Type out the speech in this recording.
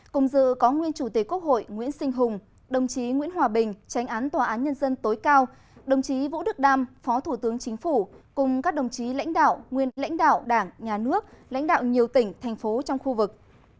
cùng dự có nguyên chủ tịch quốc hội nguyễn sinh hùng đồng chí nguyễn hòa bình tránh án tòa án nhân dân tối cao đồng chí vũ đức đam phó thủ tướng chính phủ cùng các đồng chí lãnh đạo nguyên lãnh đạo đảng nhà nước lãnh đạo nhiều tỉnh thành phố trong khu vực